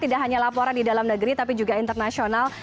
tidak hanya laporan di dalam negeri tapi juga internasional